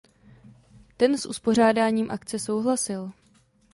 Ten s uspořádáním akce souhlasil.